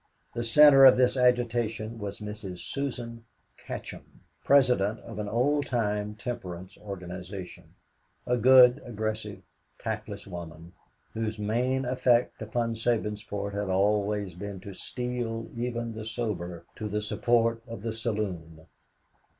The center of this agitation was Mrs. Susan Katcham, president of an old time temperance organization a good, aggressive, tactless woman, whose main effect upon Sabinsport had always been to steel even the sober to the support of the saloon.